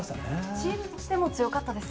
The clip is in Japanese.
チームとしても強かったです